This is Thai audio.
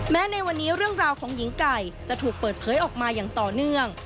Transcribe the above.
ในวันนี้เรื่องราวของหญิงไก่จะถูกเปิดเผยออกมาอย่างต่อเนื่อง